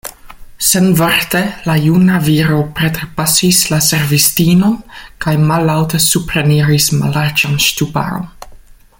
Senvorte la juna viro preterpasis la servistinon kaj mallaŭte supreniris mallarĝan ŝtuparon.